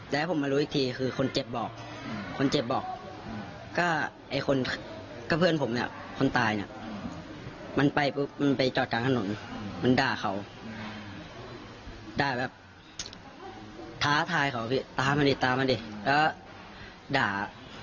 และมันก็ขับมา